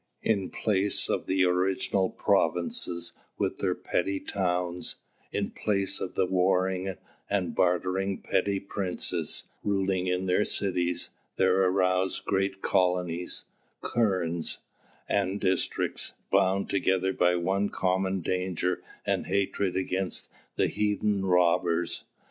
In place of the original provinces with their petty towns, in place of the warring and bartering petty princes ruling in their cities, there arose great colonies, kurens (3), and districts, bound together by one common danger and hatred against the heathen robbers.